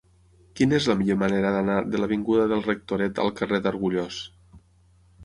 Quina és la millor manera d'anar de l'avinguda del Rectoret al carrer d'Argullós?